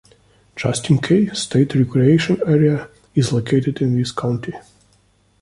Justin Kay State Recreation Area is located in this county.